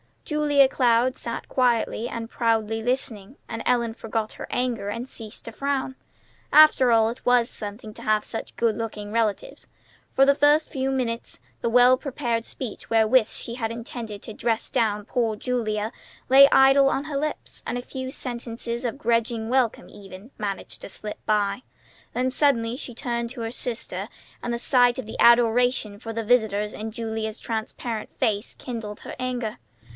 Julia Cloud sat quietly and proudly listening; and Ellen forgot her anger, and ceased to frown. After all, it was something to have such good looking relatives. For the first few minutes the well prepared speech wherewith she had intended to dress down poor Julia lay idle on her lips, and a few sentences of grudging welcome even, managed to slip by. Then suddenly she turned to her sister, and the sight of the adoration for the visitors in Julia's transparent face kindled her anger.